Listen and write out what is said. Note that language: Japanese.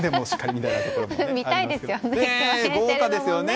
見たいですよね。